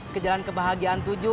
ke jalan kebahagiaan tujuh